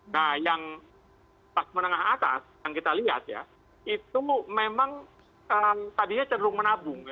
nah yang kelas menengah atas yang kita lihat ya itu memang tadinya cenderung menabung